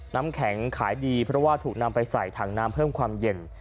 น้ำแข็งขายดีเพราะว่าถูกนำไปใส่ถังน้ำเพิ่มความเย็น